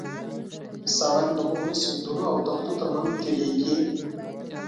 سړک د غرونو، سیندونو او دښتو ترمنځ تېرېږي.